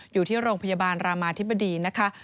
อยู่ที่โรงพยาบาลรามาธิบดีนะคะ